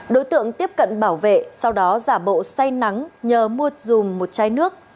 đối tượng tiếp cận bảo vệ sau đó giả bộ say nắng nhờ mua dùm một chai nước